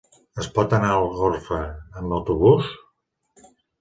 Es pot anar a Algorfa amb autobús?